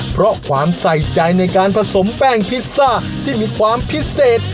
เพราะความใส่ใจในการผสมแป้งพิซซ่าที่มีความพิเศษ